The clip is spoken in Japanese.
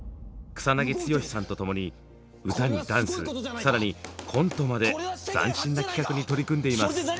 草剛さんと共に歌にダンス更にコントまで斬新な企画に取り組んでいます。